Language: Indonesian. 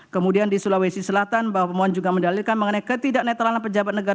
kemudian di sulawesi selatan bawaslu juga mendalilkan mengenai ketidakneutralan pejabat negara